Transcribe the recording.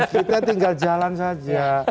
kita tinggal jalan saja